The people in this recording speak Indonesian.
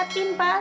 bapak berhenti pak